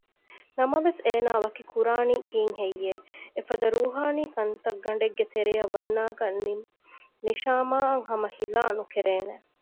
ނަމަވެސް އޭނާ ވަކި ކުރާނީ ކީއްހެއްޔެވެ؟ އެފަދަ ރޫހާނީ ކަންތައްގަނޑެއްގެ ތެރެއަށް ވަންނާކަށް ނިޝާމާއަށް ހަމަ ހިލާ ނުކެރޭނެ